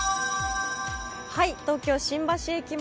東京・新橋駅前。